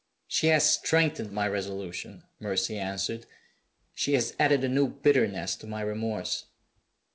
"She has strengthened my resolution," Mercy answered. "She has added a new bitterness to my remorse."